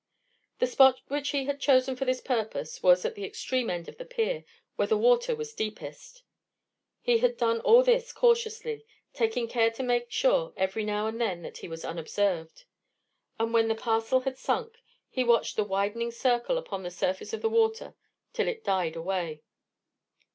The spot which he had chosen for this purpose was at the extreme end of the pier, where the water was deepest. He had done all this cautiously, taking care to make sure every now and then that he was unobserved. And when the parcel had sunk, he watched the widening circle upon the surface of the water till it died away.